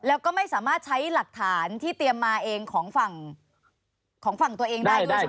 แล้วก็ไม่สามารถใช้หลักฐานที่เตรียมมาเองของฝั่งของฝั่งตัวเองได้ด้วยใช่ไหม